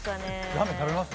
ラーメン食べます？